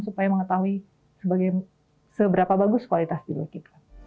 supaya mengetahui seberapa bagus kualitas hidup kita